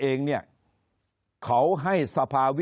คนในวงการสื่อ๓๐องค์กร